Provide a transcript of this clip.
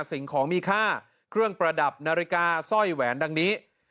สิ่งของมีค่าเครื่องประดับนาฬิกาสร้อยแหวนดังนี้